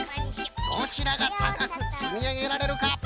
どちらがたかくつみあげられるか。